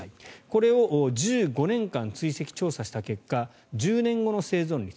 これを１５年間追跡調査した結果１０年後の生存率